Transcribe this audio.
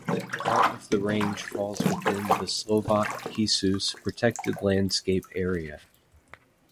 Part of the range falls within the Slovak Kysuce Protected Landscape Area.